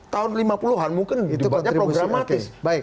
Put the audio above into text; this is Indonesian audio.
tahun lima puluh an mungkin sifatnya programatis